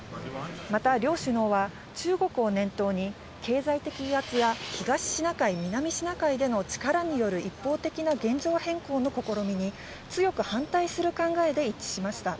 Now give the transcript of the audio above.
また両首脳は中国を念頭に経済的威圧や東シナ海、南シナ海での力による一方的な現状変更の試みに、強く反対する考えで一致しました。